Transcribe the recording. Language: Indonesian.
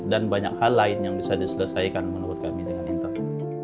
banyak hal lain yang bisa diselesaikan menurut kami dengan inter